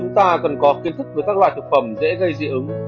chúng ta cần có kiến thức với các loại thực phẩm dễ gây dị ứng